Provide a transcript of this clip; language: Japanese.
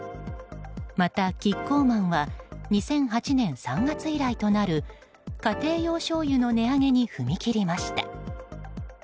また、キッコーマンは２００８年３月以来となる家庭用しょうゆの値上げに踏み切りました。